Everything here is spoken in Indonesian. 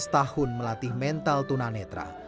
tujuh belas tahun melatih mental tunanetra